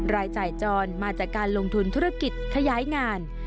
รายจ่ายจรมาจากการลงทุนธุรกิจขยายงาน